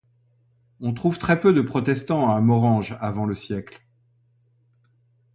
On trouve très peu de protestants à Morhange avant le siècle.